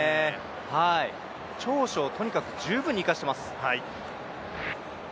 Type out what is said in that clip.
長所をとにかく十分に生かしています。